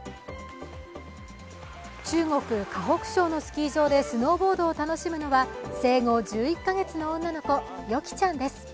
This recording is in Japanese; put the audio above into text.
中国・河北省のスキー場でスノーボードを楽しむのは生後１１カ月の女の子ヨキちゃんです。